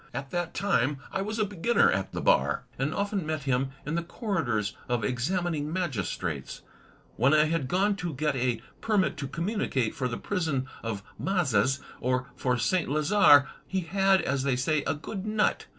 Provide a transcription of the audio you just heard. At that time I was a beginner at the Bar and often met him in the corridors of examining magistrates, when I had gone to get a "per mit to commimicate" for the prison of Mazas, or for Saint Lazare. He had, as they say, "a good nut."